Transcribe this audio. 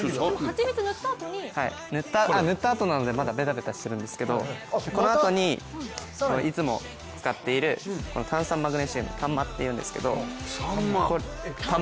蜂蜜塗ったあとなのでベタベタしているんですけどこのあとにいつも使っているこの炭酸マグネシウム炭マっていうんですけど。